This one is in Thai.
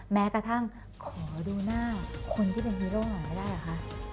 แม้กระทั่งขอดูหน้าคนที่เป็นฮีโร่หน่อยก็ได้เหรอคะ